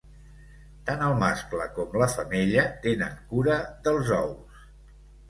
Tant el mascle com la femella tenen cura dels ous.